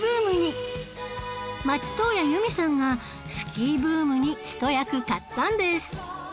松任谷由実さんがスキーブームに一役買ったんです